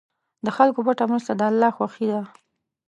د خلکو پټه مرسته د الله خوښي ده.